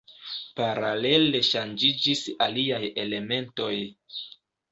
Paralele ŝanĝiĝis aliaj elementoj.